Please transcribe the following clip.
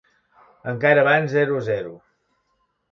Encara van zero a zero.